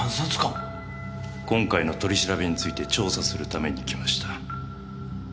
今回の取り調べについて調査するために来ました。